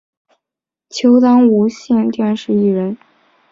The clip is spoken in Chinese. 其后当无线电视艺人。